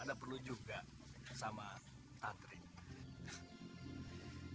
ada perlu juga sama atlet